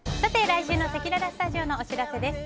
来週のせきららスタジオのお知らせです。